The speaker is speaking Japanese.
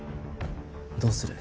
どうする？